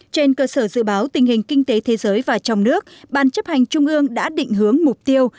trên cơ sở dự báo tình hình kinh tế thế giới và trong nước ban chấp hành trung ương đã định hướng mục tiêu